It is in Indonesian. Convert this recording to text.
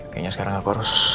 kayaknya sekarang aku harus